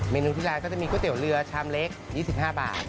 นูที่ร้านก็จะมีก๋วยเตี๋ยวเรือชามเล็ก๒๕บาท